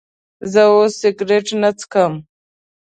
زه اوس سيګرټ نه سکم